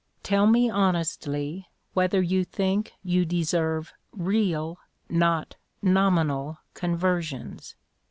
tell me honestly whether you think you deserve real, not nominal conversions?